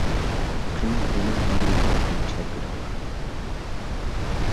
قېنى، ئۇنىڭ بار يېرىگە مېنى باشلاپ بېرىڭلار!